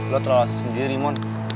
lo terlalu sendiri mon